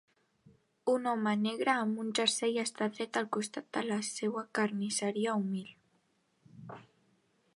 Un home negre amb un jersei està dret al costat de la seva carnisseria humil.